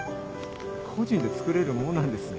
個人で作れるもんなんですね。